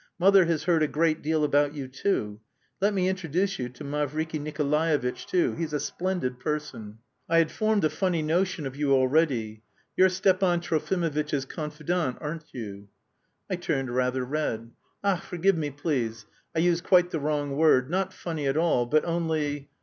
Mother has heard a great deal about you, too. Let me introduce you to Mavriky Nikolaevitch too, he's a splendid person. I had formed a funny notion of you already. You're Stepan Trofimovitch's confidant, aren't you?" I turned rather red. "Ach, forgive me, please. I used quite the wrong word: not funny at all, but only..."